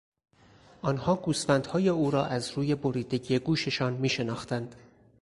آنها گوسفندهای او را از روی بریدگی گوششان میشناختند.